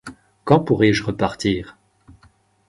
Quand pourrai-je repartir ?